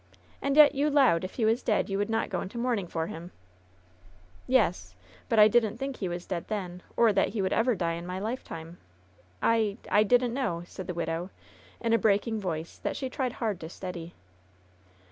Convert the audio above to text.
And yet yon ^lowed if he was dead you would not go into mourn ing for him 1" "Yes, but I didn't think he was dead then, or that he would ever die in my lifetime. I — I didn't know/' said the widow, in a breaking voice that she tried hard to steady.